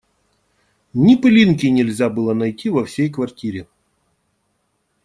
Ни пылинки нельзя было найти во всей квартире.